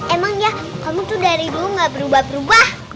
emang ya kamu tuh dari dulu gak berubah berubah